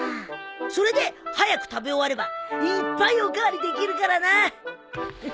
それで早く食べ終わればいっぱいお代わりできるからな。